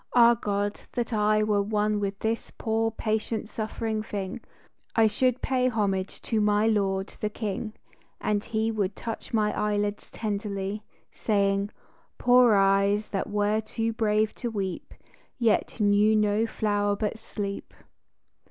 Ah God, that I Were one with this poor, patient, suffering thing, I should pay homage to my Lord the King, And He would touch my eyelids tenderly, Saying, " Poor eyes that were too brave to weep, Yet knew no flower but sleep."